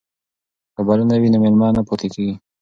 که بلنه وي نو مېلمه نه پاتې کیږي.